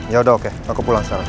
yaudah oke aku pulang sekarang